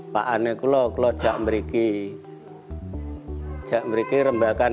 pada saat itu saya sudah berusaha